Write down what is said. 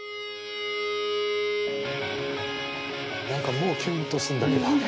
何かもうきゅんとしてんだけど。